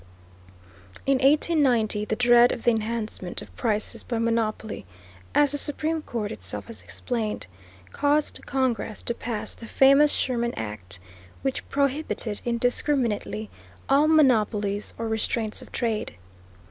In 1890 the dread of the enhancement of prices by monopoly, as the Supreme Court itself has explained, caused Congress to pass the famous Sherman Act, which prohibited indiscriminately all monopolies or restraints of trade.